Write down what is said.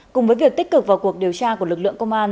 cùng với việc tích cực vào cuộc điều tra của lực lượng công an